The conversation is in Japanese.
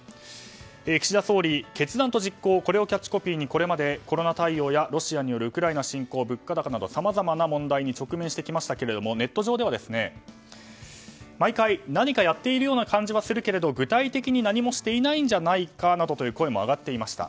岸田総理、「決断と実行」をキャッチコピーにこれまで、コロナ対応やロシアによるウクライナ侵攻物価高など、さまざまな問題に直面してきましたがネット上では毎回、何かやってるような感じはするけれども具体的に何もしていないんじゃないか？などという声も上がっていました。